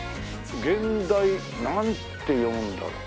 「現代」なんて読むんだろう？